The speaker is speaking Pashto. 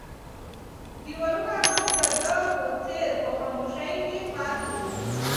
دیوالونه هم د ده په څېر په خاموشۍ کې پاتې وو.